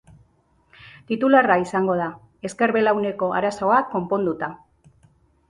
Titularra izango da, ezker belauneko arazoak konponduta.